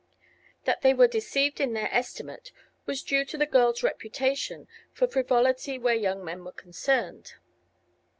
That they were deceived in their estimate was due to the girl's reputation for frivolity where young men were concerned.